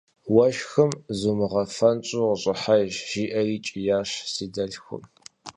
– Уэшхым зумыгъэуфэнщӀу къыщӀыхьэж, - жиӏэри кӏиящ си дэлъхур.